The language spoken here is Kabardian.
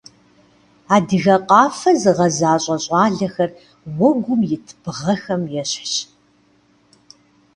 Адыгэ къафэ зыгъэзащӏэ щӏалэхэр уэгум ит бгъэхэм ещхьщ.